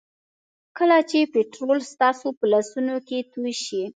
کله چې پټرول ستاسو په لاسونو کې توی شي.